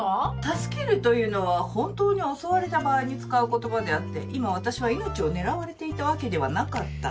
助けるというのは本当に襲われた場合に使う言葉であって今私は命を狙われていたわけではなかった。